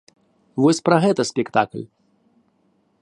Вось пра гэта спектакль.